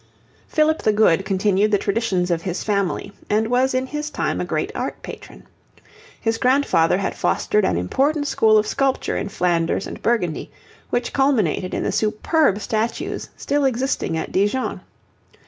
Philip the Good continued the traditions of his family and was in his time a great art patron. His grandfather had fostered an important school of sculpture in Flanders and Burgundy, which culminated in the superb statues still existing at Dijon.